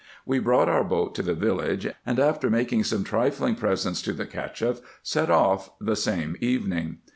We brought our boat to the village, and, after making some trifling presents to the Cacheff, set off the same evening.